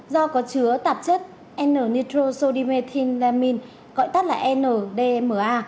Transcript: do có chứa tạp chất n nitrosodimethylamine gọi tắt là ndma